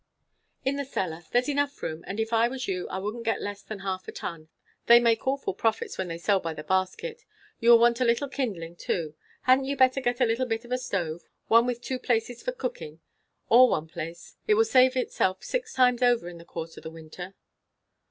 "In the cellar. There's room enough. And if I was you, I wouldn't get less than half a ton. They make awful profits when they sell by the basket. You will want a little kindling too. Hadn't you better get a little bit of a stove? one with two places for cooking; or one place. It will save itself six times over in the course of the winter."